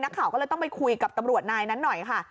นักข่าวก็เลยต้องไปคุยกับตำรวจนายนั้นหน่อยค่ะ